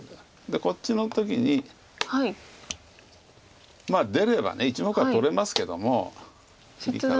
こっちの時にまあ出れば１目は取れますけども切りから。